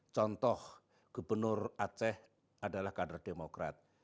contoh gubernur aceh adalah kader demokrat